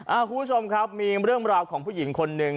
คุณผู้ชมครับมีเรื่องราวของผู้หญิงคนหนึ่ง